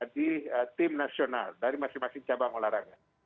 di tim nasional dari masing masing cabang olahraga